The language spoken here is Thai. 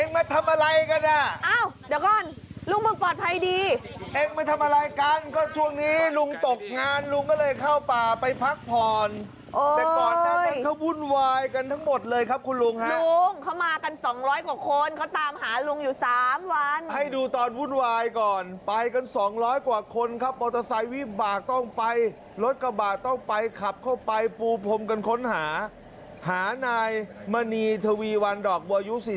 ไม่มีเรื่องรถอย่างเดียวนะครับคุณผู้ชมครับ